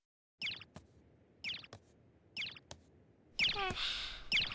はあ。